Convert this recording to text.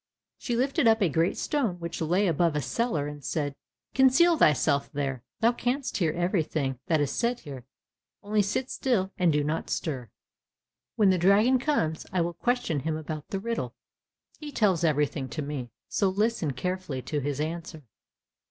She lifted up a great stone which lay above a cellar, and said, "Conceal thyself there, thou canst hear everything that is said here; only sit still, and do not stir. When the dragon comes, I will question him about the riddle, he tells everything to me, so listen carefully to his answer."